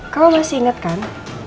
kalau masih inget kan